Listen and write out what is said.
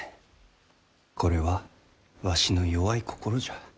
これはわしの弱い心じゃ。